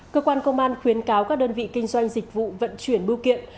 cơ quan công an khuyến cáo các đơn vị kinh doanh dịch vụ vận chuyển bưu kiện